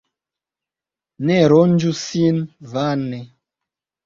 Ne ronĝu sin vane.